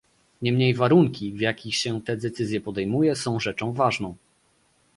Niemniej warunki, w jakich się te decyzje podejmuje, są rzeczą ważną